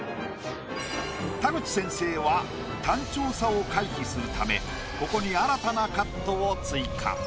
田口先生は単調さを回避するためここに新たなカットを追加。